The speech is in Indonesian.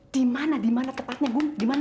dimana dimana tepatnya bu dimana